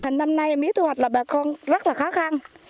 năm nay mía thu hoạch là bà con rất là khó khăn